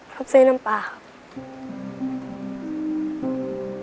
ข้าซื้อน้ำปลาครับ